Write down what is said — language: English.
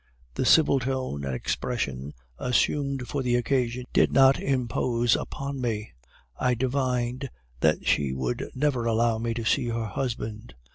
"The civil tone and expression assumed for the occasion did not impose upon me; I divined that she would never allow me to see her husband.